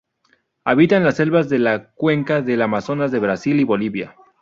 Habita en las selvas de la cuenca del Amazonas de Brasil y Bolivia.